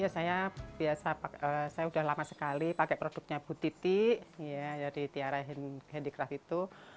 saya sudah lama sekali pakai produknya butiti ya dari tiara handicraft itu